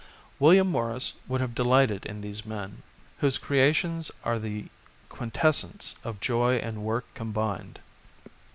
William Morris would have delighted in these men, whose creations are the 170 A QUARTET OF POTTERS quintessence of joy and work combined.